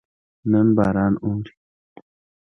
نن باران اوري